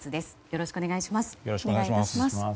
よろしくお願いします。